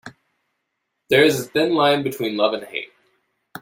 There is a thin line between love and hate.